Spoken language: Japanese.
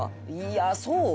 いやあそう？